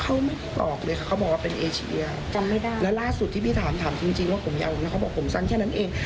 เขาไม่ออกเลยค่ะเขาบอกว่าเป็นเอเชียจำไม่ได้แล้วล่าสุดที่พี่ถามถามจริงจริงว่าผมยาวนะเขาบอกผมสั้นแค่นั้นเอง